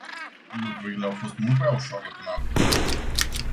Lucrurile au fost mult prea ușoare până acum.